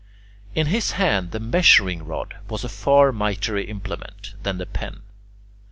In his hand the measuring rod was a far mightier implement than the pen.